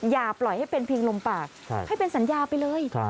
อย่าปล่อยให้เป็นเพียงลมปากให้เป็นสัญญาไปเลย